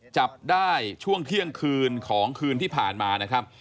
จับได้ช่วงเที่ยงคืนของคืนที่ผ่านมานะครับ